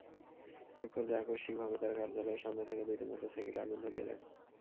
একপর্যায়ে আকস্মিকভাবে তাঁরা কার্যালয়ের সামনে থাকা দুইটি মোটরসাইকেলে আগুন ধরিয়ে দেন।